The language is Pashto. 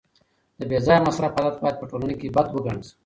د بې ځایه مصرف عادت باید په ټولنه کي بد وګڼل سي.